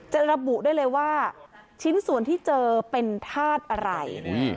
ระบุได้เลยว่าชิ้นส่วนที่เจอเป็นธาตุอะไร